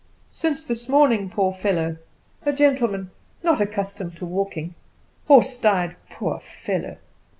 "Since this morning, poor fellow! A gentleman not accustomed to walking horse died poor fellow!"